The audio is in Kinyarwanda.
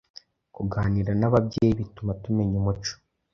Kuganira n’ababyeyi bituma tumenya umuco.